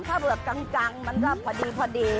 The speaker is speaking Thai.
ถ้าเกิดกังมันก็พอดี